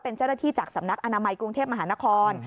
เป็นเจ้าหน้าที่จากสำนักอนามัยกรุงเทพมหานคร